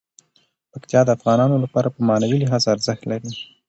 پکتیا د افغانانو لپاره په معنوي لحاظ ارزښت لري.